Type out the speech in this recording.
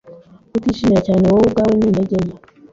Kutishimira cyane wowe ubwawe ni intege nke,